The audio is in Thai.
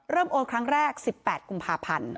โอนครั้งแรก๑๘กุมภาพันธ์